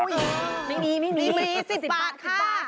ไม่มี๑๐บาทค่ะ